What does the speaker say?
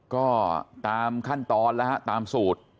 ก็ตามขั้นตอนแล้วฮะตามสูตร